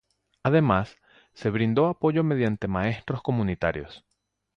Además, se brindó apoyo mediante maestros comunitarios.